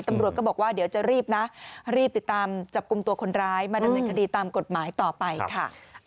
ตำรวจก็บอกว่าเดี๋ยวจะรีบนะรีบติดตามจับกลุ่มตัวคนร้ายมาดำเนินคดีตามกฎหมายต่อไปค่ะ